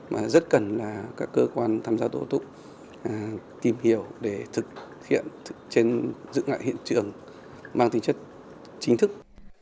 mà rất cần là các cơ quan tham gia tổ tục tìm hiểu để thực hiện trên dự ngại hiện trường mang tính chất chính thức